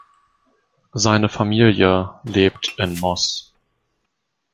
Seine Familie lebt in Moss.